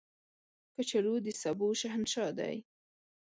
کچالو د سبو شهنشاه دی